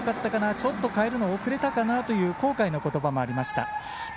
ちょっと代えるの遅れたかなという後悔の言葉もありました。